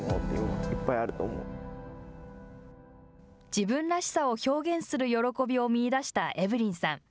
自分らしさを表現する喜びを見いだしたエブリンさん。